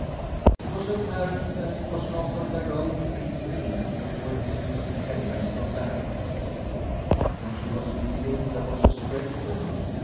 It was apparent that it was not of their own free will they were dismissing Helga from Närlunda. When she was leaving, there was a spread for her.